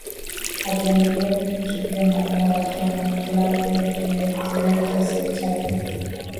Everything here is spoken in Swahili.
akiendelea pia kutupia mabao akiwa na klabu yake ya Juventus ya Italia